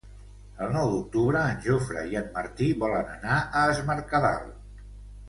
El nou d'octubre en Jofre i en Martí volen anar a Es Mercadal.